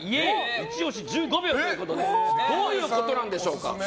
イチオシ、１５秒ということでどういうことなんでしょう。